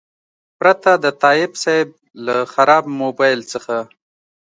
پرته د تایب صیب له خراب موبایل څخه.